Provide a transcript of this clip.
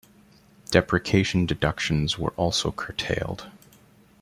Depreciation deductions were also curtailed.